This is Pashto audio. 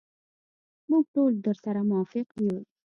موږ ټول درسره موافق یو.